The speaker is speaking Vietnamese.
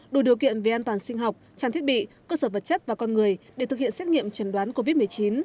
đủ điều kiện về an toàn sinh học trang thiết bị cơ sở vật chất và con người để thực hiện xét nghiệm trần đoán covid một mươi chín